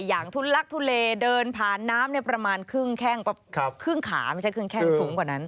ทุลักทุเลเดินผ่านน้ำประมาณครึ่งขาไม่ใช่ครึ่งแข้งสูงกว่านั้น